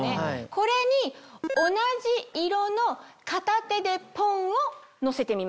これに同じ色の片手でポン‼を乗せてみます。